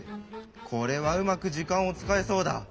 これはうまくじかんをつかえそうだ。